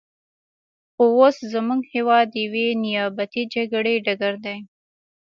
خو اوس زموږ هېواد د یوې نیابتي جګړې ډګر دی.